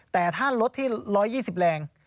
แต่ถ้ารถที่๑๒๐แรง